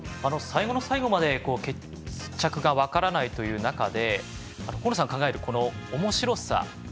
最後の最後まで決着が分からない中で河野さんが考えるおもしろさ